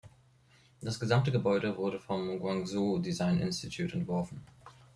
Das gesamte Gebäude wurde vom Guangzhou Design Institute entworfen.